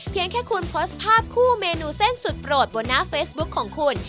แค่คุณโพสต์ภาพคู่เมนูเส้นสุดโปรดบนหน้าเฟซบุ๊คของคุณ